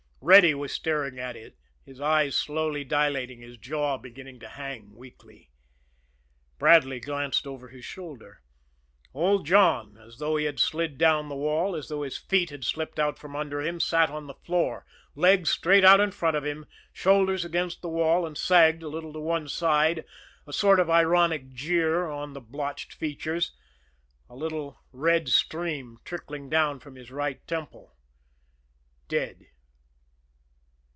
Reddy was staring at it, his eyes slowly dilating, his jaw beginning to hang weakly. Bradley glanced over his shoulder. Old John, as though he had slid down the wall, as though his feet had slipped out from under him, sat on the floor, legs straight out in front of him, shoulders against the wall and sagged a little to one side, a sort of ironic jeer on the blotched features, a little red stream trickling down from his right temple dead.